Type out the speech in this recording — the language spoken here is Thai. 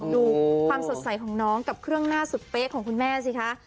ดูความสดใสของน้องกับเครื่องหน้าสุดเป๊ะของคุณแม่สิคะ